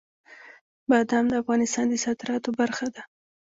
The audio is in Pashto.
بادام د افغانستان د صادراتو برخه ده.